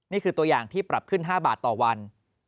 นี่คือตัวอย่างที่ปรับขึ้น๕บาทต่อวัน